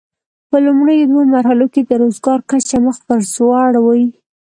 په لومړیو دوو مرحلو کې د روزګار کچه مخ پر ځوړ وي.